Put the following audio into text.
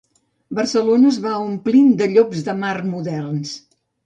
Barcelona es va omplint de llops de mar moderns